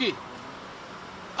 yang namanya basuki